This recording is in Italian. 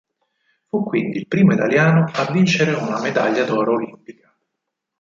Fu quindi il primo italiano a vincere una medaglia d'oro olimpica.